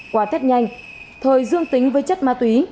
quả thết nhanh thời dương tính với chất ma túy